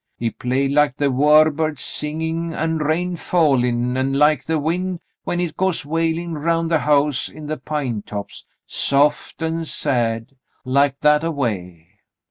He played like the' war birds singin' an' rain fallin', an' like the wind when hit goes wailin' round the house in the pine tops — soft an' sad — like that a way.